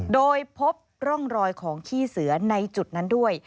โดยพบร่องรอยของขี้เสือในจุดนั้นด้วย